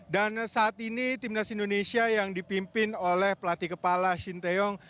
dan saat ini timnas indonesia yang dipimpin oleh pelatih kepala shin taeyong